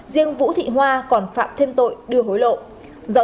riêng vũ thị hoa còn phạm thêm tội đưa hối lộ